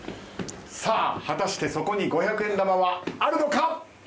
さあ果たしてそこに５００円玉はあるのか？